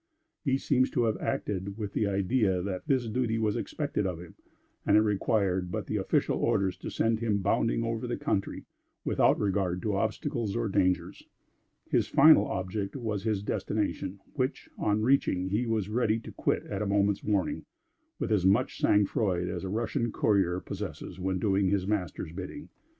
He seems to have acted with the idea that this duty was expected of him, and it required but the official orders to send him bounding over the country, without regard to obstacles or dangers. His final object was his destination; which, on reaching, he was ready to quit at a moment's warning, with as much sang froid as a Russian courier possesses when doing his master's bidding.